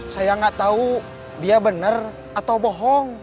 saya nggak tahu dia benar atau bohong